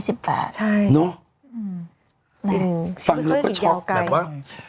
สั่งเรื่องก็ช็อกแบบว่า